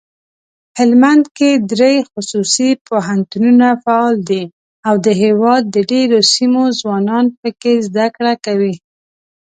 هلمندکې دري خصوصي پوهنتونونه فعال دي اودهیواد دډیروسیمو ځوانان پکښي زده کړه کوي.